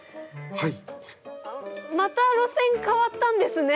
はい。